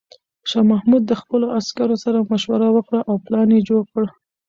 شاه محمود د خپلو عسکرو سره مشوره وکړه او پلان یې جوړ کړ.